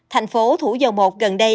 thành phố thủ dầu một gần đây